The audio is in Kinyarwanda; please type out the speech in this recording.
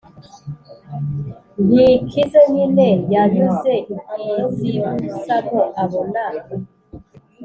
ntikize nyine yanyuze izibusamo abona